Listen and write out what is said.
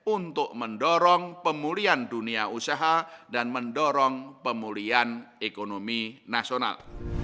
untuk mendorong pemulihan dunia usaha dan mendorong pemulihan ekonomi nasional